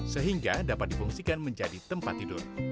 sehingga dapat difungsikan menjadi tempat tidur